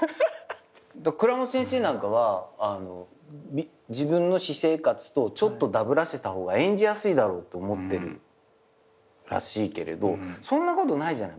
倉本先生なんかは自分の私生活とちょっとダブらせた方が演じやすいだろうと思ってるらしいけれどそんなことないじゃない。